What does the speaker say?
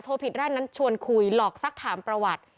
ผิดร่างนั้นชวนคุยหลอกสักถามประวัติ